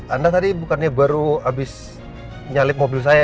anda tadi bukannya baru habis nyalip mobil saya